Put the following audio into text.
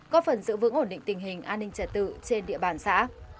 có phần giữ vững ổn định tình hình an ninh trật tự trên địa bàn xã